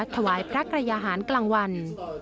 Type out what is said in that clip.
ถวายพระกรยาหารกลางวัน